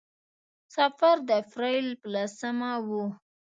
سفر د اپرېل په لسمه و.